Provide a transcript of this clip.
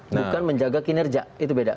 bukan menjaga kinerja itu beda